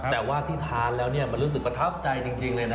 แต่ว่าที่ทานแล้วเนี่ยมันรู้สึกประทับใจจริงเลยนะ